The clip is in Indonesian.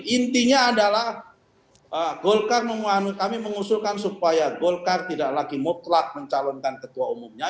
intinya adalah golkar kami mengusulkan supaya golkar tidak lagi mutlak mencalonkan ketua umumnya